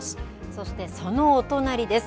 そしてそのお隣です。